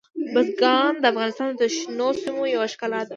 بزګان د افغانستان د شنو سیمو یوه ښکلا ده.